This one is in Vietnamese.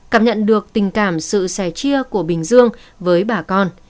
cảm nhận được tình cảm sự sẻ chia của bình dương với bà con